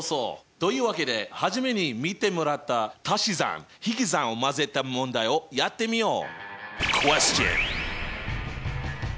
というわけで初めに見てもらったたし算引き算を混ぜた問題をやってみよう！